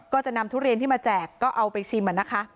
ก็จะนำทุเรียนที่มาแจกก็เอาไปชิมนะคะ